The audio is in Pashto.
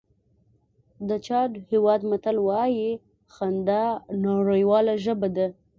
د چاډ هېواد متل وایي خندا نړیواله ژبه ده.